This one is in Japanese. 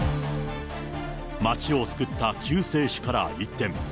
町を救った救世主から一転。